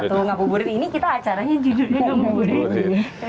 tau atau ngabuburit ini kita acaranya judulnya ngabuburit